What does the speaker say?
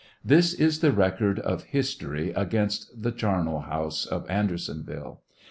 This is the record of history, against the charnel house of Andersonville.